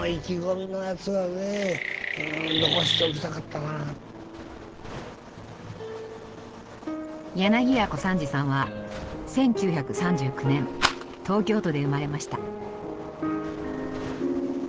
だからもう柳家小三治さんは１９３９年東京都で生まれました。